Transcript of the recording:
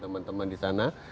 teman teman di sana